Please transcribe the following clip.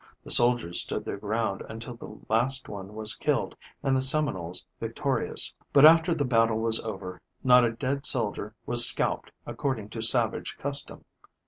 The soldiers stood their ground until the last one was killed and the Seminoles victorious, but, after the battle was over, not a dead soldier was scalped according to savage custom.